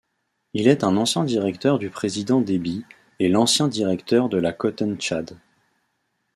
Il est un ancien directeur du président Déby et l'ancien directeur de la CotonTchad.